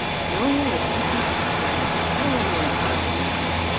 "Nothing, I thank ye," replied I; "I only want to go to sleep."